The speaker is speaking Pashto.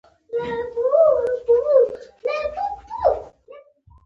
نرمې خبرې د سختې معاملې اغېز کموي.